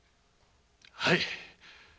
はい！